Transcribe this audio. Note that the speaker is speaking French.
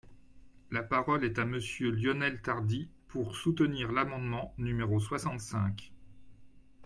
La parole est à Monsieur Lionel Tardy, pour soutenir l’amendement numéro soixante-cinq.